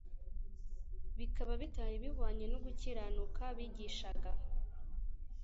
bikaba bitari bihwanye n'ugukiranuka bigishaga.